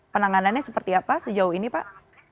penanganannya seperti apa sejauh ini pak